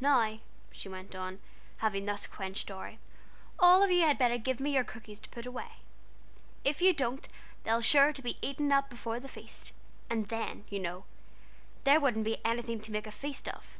"Now," she went on, having thus quenched Dorry, "all of you had better give me your cookies to put away: if you don't, they'll be sure to be eaten up before the feast, and then you know there wouldn't be anything to make a feast of."